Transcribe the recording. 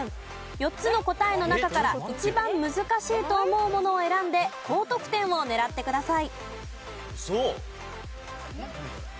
４つの答えの中から一番難しいと思うものを選んで高得点を狙ってください。